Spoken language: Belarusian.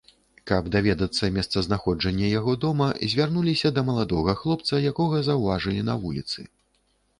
Каб даведацца месцазнаходжанне яго дома, звярнуліся да маладога хлопца, якога заўважылі на вуліцы.